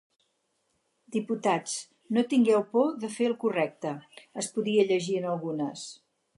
“Diputats, no tingueu por de fer el correcte” es podia llegir en algunes.